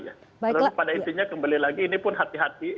lalu pada isinya kembali lagi ini pun hati hati